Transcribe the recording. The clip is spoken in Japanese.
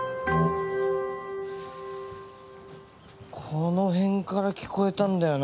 この辺から聞こえたんだよな